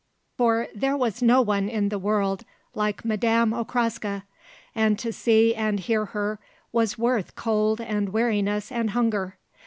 For there was no one in the world like Madame Okraska, and to see and hear her was worth cold and weariness and hunger.